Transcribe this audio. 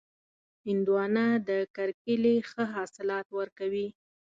هندوانه د کرکېلې ښه حاصلات ورکوي.